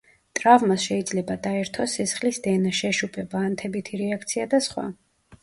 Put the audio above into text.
ტრავმას შეიძლება დაერთოს სისხლის დენა, შეშუპება, ანთებითი რეაქცია და სხვა.